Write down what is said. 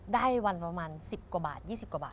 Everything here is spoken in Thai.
ได้วันประมาณ๑๐กว่าบาท๒๐กว่าบาท